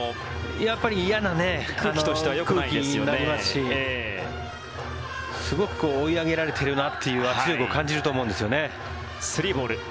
やっぱり嫌な空気になりますしすごく追い上げられているなという圧力を感じると思うんですよね。